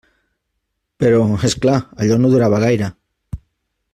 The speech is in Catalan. Però, és clar, allò no durava gaire.